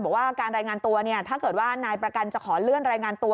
บอกว่าการรายงานตัวเนี่ยถ้าเกิดว่านายประกันจะขอเลื่อนรายงานตัว